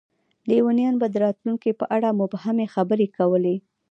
لیونیان به د راتلونکي په اړه مبهمې خبرې کولې.